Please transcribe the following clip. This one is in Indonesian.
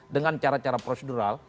dengan cara cara prosedural